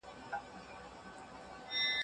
دې په دریو ورځو کې یوازې څو ساعته خوب وکړ.